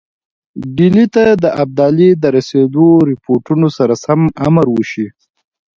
ډهلي ته د ابدالي د رسېدلو رپوټونو سره سم امر وشي.